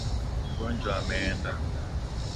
Mgonjwa ameenda